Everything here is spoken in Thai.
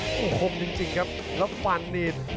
โอ้โหคมจริงครับแล้วฟันนี่